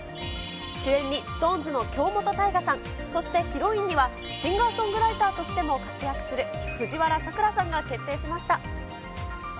主演にＳｉｘＴＯＮＥＳの京本大我さん、そしてヒロインには、シンガーソングライターとしても活躍する藤原さくらさんが決定しました。